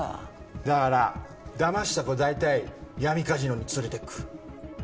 だからだました子大体闇カジノに連れてく。